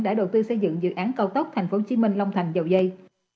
đã đầu tư xây dựng dự án cao tốc tp hcm long thành dầu dây